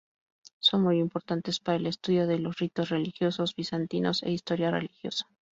Son muy importantes para el estudio de los ritos religiosos bizantinos e historia religiosa.